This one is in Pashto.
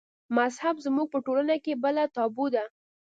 مذهب زموږ په ټولنه کې بله تابو ده.